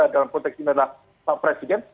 dalam konteks ini adalah pak presiden